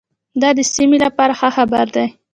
دا د سیمې لپاره ښه خبر دی.